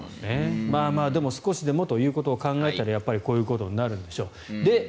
でも少しでもということを考えたらやっぱりこういうことになるんでしょう。